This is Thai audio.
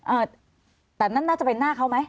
เออแต่นั่นน่าจะเป็นหน้าเขาไหม